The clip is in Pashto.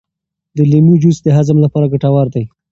د لیمو جوس د هضم لپاره ګټور دی.